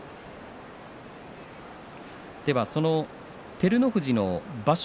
照ノ富士の場所